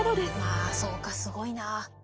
ああそうかすごいな。